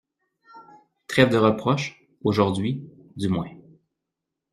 Trêve de reproches, aujourd'hui, du moins.